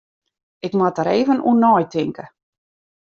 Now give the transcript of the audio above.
Ik moat der even oer neitinke.